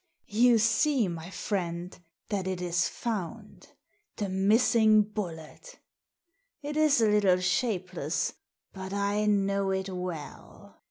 " You see, my friend, that it is found. The miss ing bullet! It is a little shapeless, but I know it well."